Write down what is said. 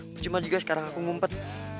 percuma juga sekarang aku ngumpet